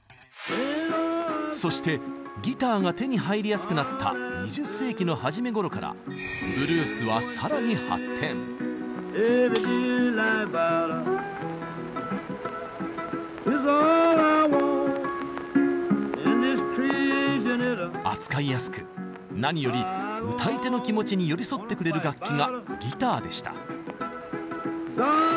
そしてギターが手に入りやすくなった２０世紀の初めごろからブルースは扱いやすく何より歌い手の気持ちに寄り添ってくれる楽器がギターでした。